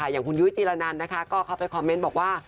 อย่างคุณยุ้ยจีรนันนะคะก็เข้าไปคอมเมนต์บอกว่า